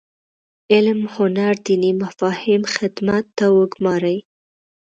علم هنر دیني مفاهیم خدمت ته وګوماري.